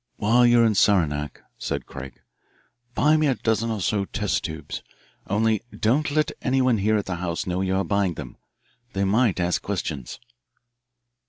"While you're in Saranac," said Craig, "buy me a dozen or so test tubes. Only, don't let anyone here at the house know you are buying them. They might ask questions."